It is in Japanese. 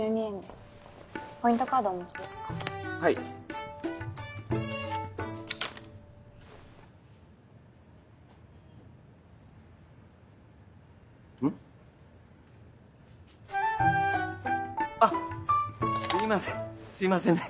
すいませんね。